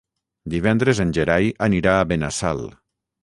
Divendres en Gerai anirà a Benassal.